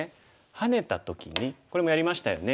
ハネた時にこれもやりましたよね。